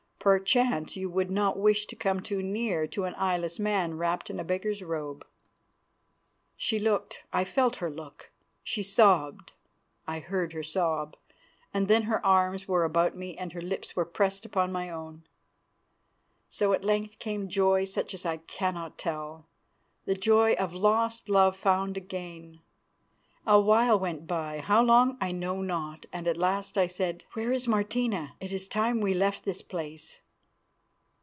Perchance you would not wish to come too near to an eyeless man wrapped in a beggar's robe." She looked I felt her look. She sobbed I heard her sob, and then her arms were about me and her lips were pressed upon my own. So at length came joy such as I cannot tell; the joy of lost love found again. A while went by, how long I know not, and at last I said, "Where is Martina? It is time we left this place."